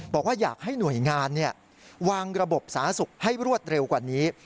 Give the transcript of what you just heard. บอกว่าอยากให้หน่วยงานวางระบบสาธารณสุขให้รวดเร็วกว่านี้